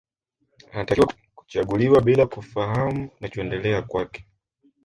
Anatakiwa kuchaguliwa bila kufahamu kinachoendelea kwake